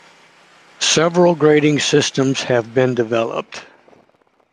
Several grading systems have been developed.